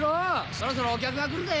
そろそろお客が来るぜ！